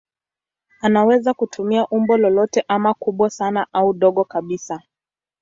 Anaweza kutumia umbo lolote ama kubwa sana au dogo kabisa.